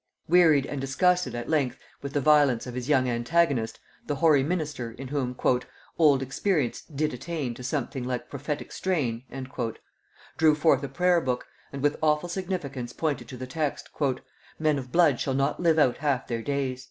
Wearied and disgusted at length with the violence of his young antagonist, the hoary minister, in whom ..."old experience did attain To something like prophetic strain," drew forth a Prayer book, and with awful significance pointed to the text, "Men of blood shall not live out half their days."